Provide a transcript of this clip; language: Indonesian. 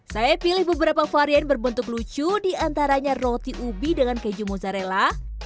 saya pilih beberapa varian berbentuk lucu diantaranya roti ubi dengan keju mozzarella